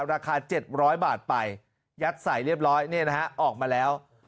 ราคา๗๐๐บาทไปยัดใส่เรียบร้อยเนี่ยนะฮะออกมาแล้ว